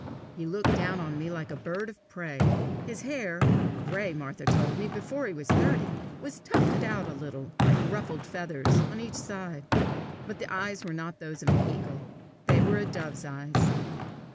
He looked down on me like a bird of prey. His hair gray, Martha told me, before he was thirty was tufted out a little, like ruffled feathers, on each side. But the eyes were not those of an eagle; they were a dove's eyes.